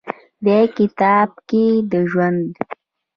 دې کتاب کښې د ژوند